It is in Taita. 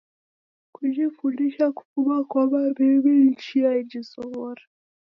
Kujifundisha kufuma kwa maw'iw'i, ni chia yejizoghora.